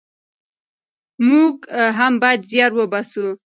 موږ هم بايد زيار وباسو.